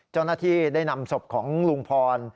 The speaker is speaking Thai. เจ้าหน้าที่ได้นำศพของลุงพร